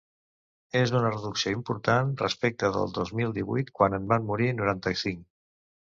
És una reducció important respecte del dos mil divuit, quan en van morir noranta-cinc.